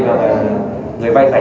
và người vay tài lệ